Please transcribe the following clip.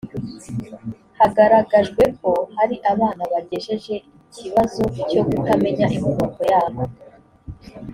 hagaragajwe ko hari abana bagejeje ikibazo cyo kutamenya inkomoko yabo